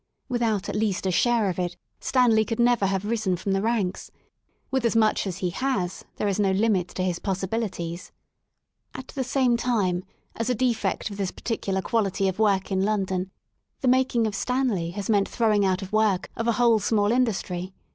Without at least a share of it Stanley could never have risen from the ranks; with as much as he has there is no limit to his pos sibilities. lOI THE SOUL OF LONDON At the same time, as a defect of this particular quality of work in London, the making of Stanley has meant throwing out of work of a whole small industry.